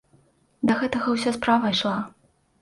Да гэтага ўся справа ішла.